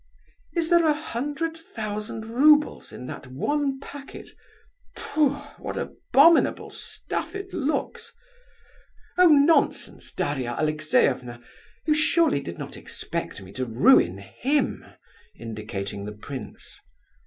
Is there a hundred thousand roubles in that one packet? Pfu! what abominable stuff it looks! Oh! nonsense, Daria Alexeyevna; you surely did not expect me to ruin him?" (indicating the prince).